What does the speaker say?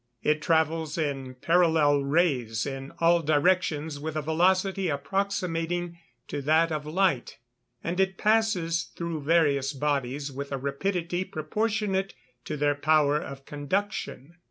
_ It travels in parallel rays in all directions with a velocity approximating to that of light; and it passes through various bodies with a rapidity proportionate to their power of conduction.